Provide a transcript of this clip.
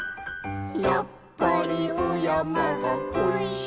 「やっぱりおやまがこいしいと」